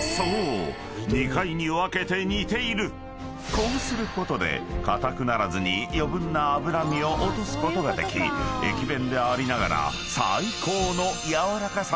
［こうすることで硬くならずに余分な脂身を落とすことができ駅弁でありながら］